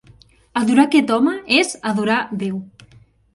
Adorar aquest home és adorar Déu.